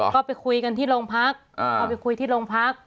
ก็ไปคุยกันที่โรงพัก